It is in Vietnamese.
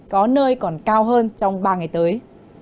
có nơi còn cao hơn trong ba ngày tới